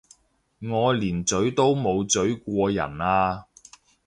我連咀都冇咀過人啊！